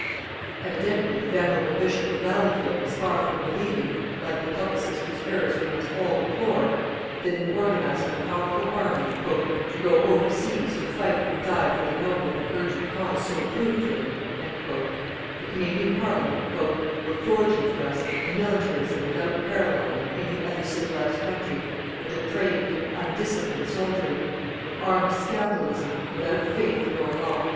Evidently the venerable Bishop of Valleyfield is far from believing, like the publicist whose errors we must all deplore, that in organizing a powerful army "to go overseas to fight and die for the noble and urgent cause so proved to them," the Canadian Parliament "_were forging for us a militarism without parallel in any other civilized country, a depraved and undisciplined soldiery, an armed scoundrelism, without faith nor law_."